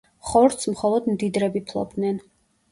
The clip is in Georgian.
ხორცს მხოლოდ მდიდრები ფლობდნენ.